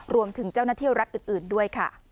รวมถึงเจ้าหน้าที่รัฐอื่นด้วยค่ะ